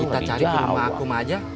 kita cari rumah aku aja